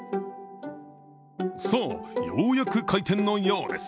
さあ、ようやく開店のようです。